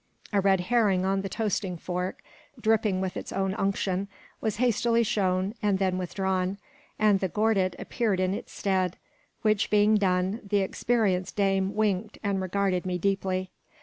A red herring on the toasting fork, dripping with its own unction, was hastily shown, and then withdrawn, and the gordit appeared in its stead; which being done, the experienced dame winked, and regarded me deeply.